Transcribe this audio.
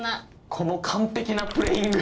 この完璧なプレーイング。